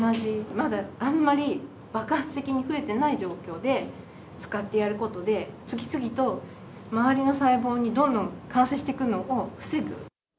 まだあんまり爆発的に増えてない状況で使ってやることで、次々と周りの細胞にどんどん感染していくのを防ぐ。